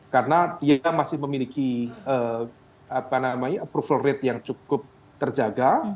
karena dia masih memiliki approval rate yang cukup terjaga